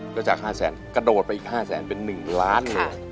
ก็จาก๕แสนกระโดดไปอีก๕แสนเป็น๑ล้านเลย